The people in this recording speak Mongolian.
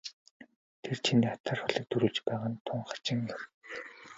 Тэр чиний атаархлыг төрүүлж байгаа нь тун хачин юм.